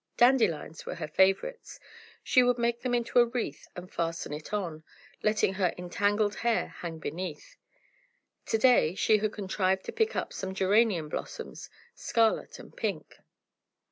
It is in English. Dandelions were her favourites; she would make them into a wreath, and fasten it on, letting her entangled hair hang beneath. To day she had contrived to pick up some geranium blossoms, scarlet and pink.